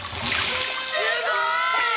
すごい！